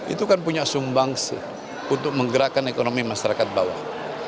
itu kan punya sumbang untuk menggerakkan ekonomi masyarakat bawah